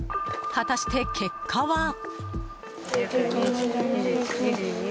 果たして結果は。